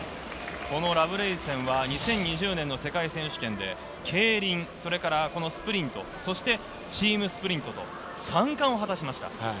ラブレイセンは２０２０年の世界選手権で競輪、スプリント、そしてチームスプリントと３冠を果たしました。